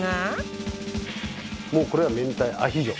もうこれは明太アヒージョ。